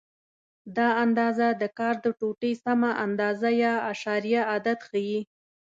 دا اندازه د کار د ټوټې سمه اندازه یا اعشاریه عدد ښیي.